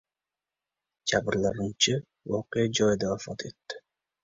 Jabrlanuvchi voqea joyida vafot etdi